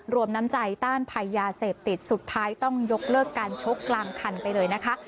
รวมน้ำใจต้านภัยยาเสพติดสุดท้ายต้องยกเลิกการชกกลางคันไปเลยนะคะ